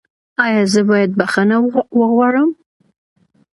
ایا زه باید بخښنه وغواړم؟